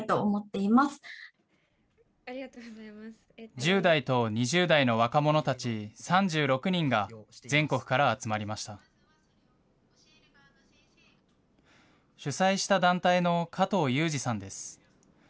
１０代と２０代の若者たち３６人が全国から集まりました。